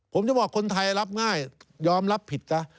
ผมจะบอกคนไทยรับง่ายยอมรับผิดซะ